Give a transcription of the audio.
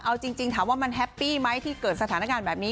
เอาจริงถามว่ามันแฮปปี้ไหมที่เกิดสถานการณ์แบบนี้